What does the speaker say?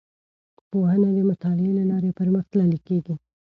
پوهنه د مطالعې له لارې پرمختللې کیږي.